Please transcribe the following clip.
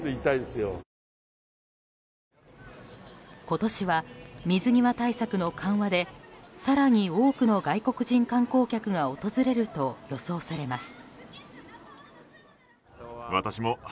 今年は水際対策の緩和で更に多くの外国人観光客が訪れると予想されます。